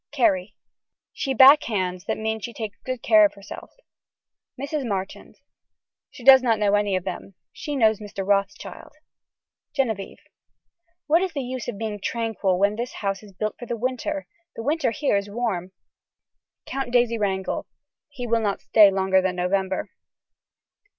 (Carrie.) She backhands that means she takes good care of herself. (Mrs. Marchand.) She does not know any of them. She knows Mr. Rothschild. (Genevieve.) What is the use of being tranquil when this house is built for the winter. The winter here is warm. (Count Daisy Wrangel.) He will not stay longer than November.